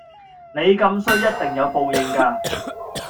你咁衰一定有報應架！